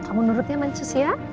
kamu nurutnya ngancus ya